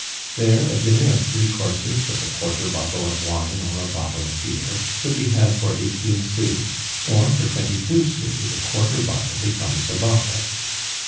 There a dinner of three courses, with a quarter bottle of wine or a bottle of beer, could be had for eighteen sous; or for twenty two sous the quarter bottle becomes a bottle.